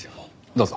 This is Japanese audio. どうぞ。